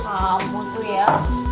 kamu tuh ya